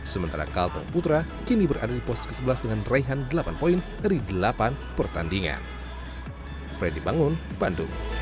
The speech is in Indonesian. sementara kalteng putra kini berada di posisi ke sebelas dengan raihan delapan poin dari delapan pertandingan